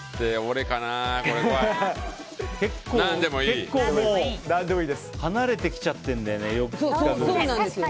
結構離れてきちゃってるんだよね。